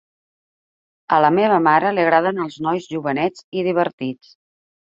A la meva mare li agraden els nois jovenets i divertits.